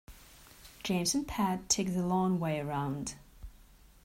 James and Pat took the long way round.